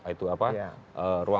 itu apa ruang